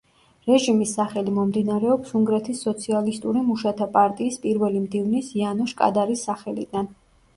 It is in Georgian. რეჟიმის სახელი მომდინარეობს უნგრეთის სოციალისტური მუშათა პარტიის პირველი მდივნის იანოშ კადარის სახელიდან.